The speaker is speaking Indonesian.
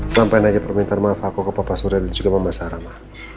sampaikan aja permintaan maaf aku ke papa surya dan juga mama sarah ma